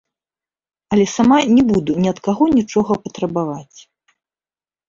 Але сама не буду ні ад каго нічога патрабаваць.